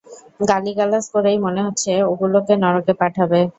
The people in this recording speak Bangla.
গালিগালাজ করেই মনে হচ্ছে ওগুলোকে নরকে পাঠাবে!